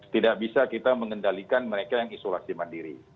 tidak bisa kita mengendalikan mereka yang isolasi mandiri